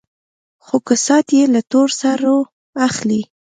خو کسات يې له تور سرو اخلي.